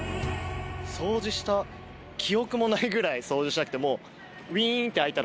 掃除した記憶もないぐらい掃除してなくてもう。